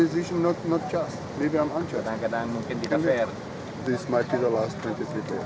ini mungkin adalah dua puluh tiga pemain tersebut